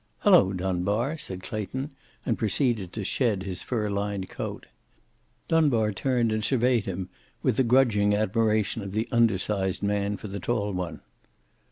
"Hello, Dunbar," said Clayton, and proceeded to shed his fur lined coat. Dunbar turned and surveyed him with the grudging admiration of the undersized man for the tall one.